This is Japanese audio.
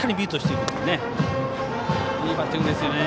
いいバッティングですよね。